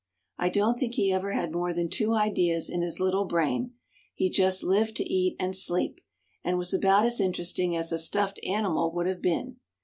I don't think he ever had more than two ideas in his little brain he just lived to eat and sleep, and was about as interesting as a stuffed animal would have been.